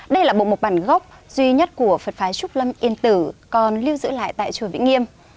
đây là bộ một bản gốc duy nhất của phật phái trúc lâm yên tử còn lưu giữ lại tại chùa vĩnh nghiêm